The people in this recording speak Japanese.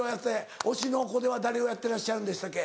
『推しの子』では誰をやってらっしゃるんでしたっけ？